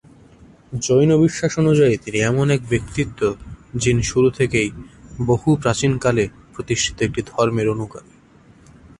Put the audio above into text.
জৈন বিশ্বাস অনুযায়ী, তিনি এমন এক ব্যক্তিত্ব যিনি শুরু থেকেই বহু প্রাচীনকালে প্রতিষ্ঠিত একটি ধর্মের অনুগামী।